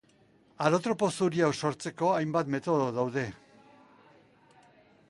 Alotropo zuri hau sortzeko hainbat metodo daude.